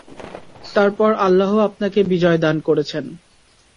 তারপর আল্লাহ আপনাকে বিজয় দান করেছেন।